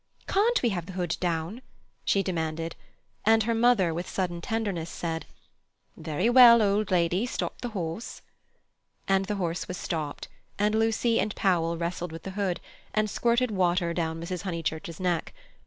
"Can't we have the hood down?" she demanded, and her mother, with sudden tenderness, said: "Very well, old lady, stop the horse." And the horse was stopped, and Lucy and Powell wrestled with the hood, and squirted water down Mrs. Honeychurch's neck.